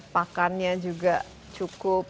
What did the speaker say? pakannya juga cukup